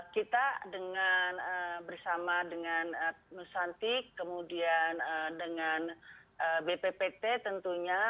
kita bersama dengan nusantik kemudian dengan bppt tentunya